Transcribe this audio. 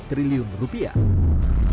ketiga penanganan kesehatan yang inklusif